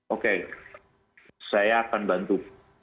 oke saya akan bantu